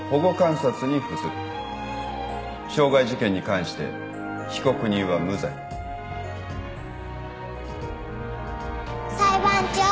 傷害事件に関して被告人は無罪。裁判長。